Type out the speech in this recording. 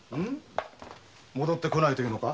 戻って来ないというのか？